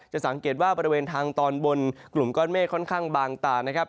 สังเกตว่าบริเวณทางตอนบนกลุ่มก้อนเมฆค่อนข้างบางตานะครับ